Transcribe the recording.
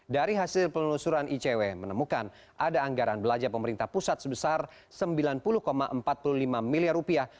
dari hasil penelusuran icw menemukan ada anggaran belanja pemerintah pusat sebesar sembilan puluh empat puluh lima miliar rupiah